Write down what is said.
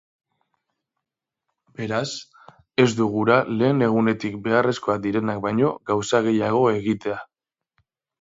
Beraz, ez du gura lehen egunetik beharrezkoak direnak baino gauza gehiago egitea.